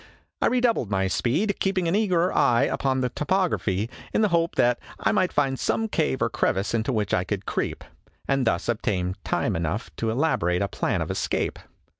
I re doubled my speed, keeping an eager eye upon the topography in the hope that I might find some cave or crevice into which I could creep and thus obtain time enough to elaborate a plan of escape.